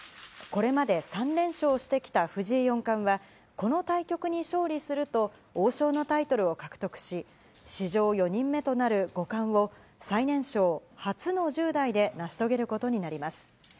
これまで３連勝してきた藤井四冠は、この対局に勝利すると、王将のタイトルを獲得し、史上４人目となる五冠を、最年少、初の１０代で成し遂げることになります。